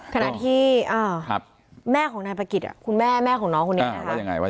ขณะที่แม่ของนายประกิจคุณแม่แม่ของน้องคนนี้ว่ายังไง